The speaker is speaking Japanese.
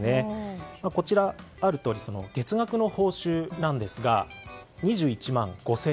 こちらにあるとおり月額の報酬ですが２１万５０００円。